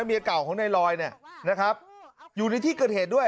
เมียเก่าของนัยลอยนะครับอยู่ในที่กระเทศด้วย